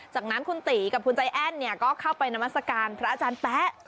จากนั้นคุณตีกับคุณใจแอ้นก็เข้าไปนามัศกาลพระอาจารย์แป๊ะ